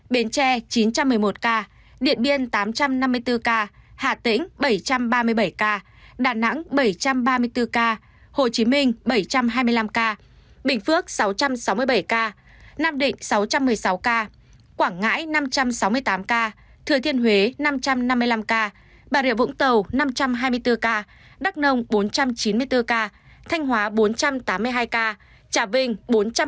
bến tre chín trăm một mươi một ca điện biên tám trăm năm mươi bốn ca hà tĩnh bảy trăm ba mươi bảy ca đà nẵng bảy trăm ba mươi bốn ca hồ chí minh bảy trăm hai mươi năm ca bình phước sáu trăm sáu mươi bảy ca nam định sáu trăm một mươi sáu ca quảng ngãi năm trăm sáu mươi tám ca thừa thiên huế năm trăm năm mươi năm ca bà rịa vũng tàu năm trăm hai mươi bốn ca đắk nông bốn trăm chín mươi bốn ca thanh hóa bốn trăm tám mươi hai ca trà vinh bốn trăm một mươi chín ca